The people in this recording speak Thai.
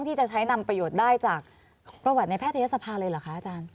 ที่จะใช้นำประโยชน์ได้จากประวัติในแพทยศภาเลยเหรอคะอาจารย์